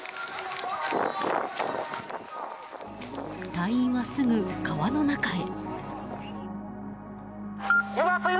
隊員は、すぐ川の中へ。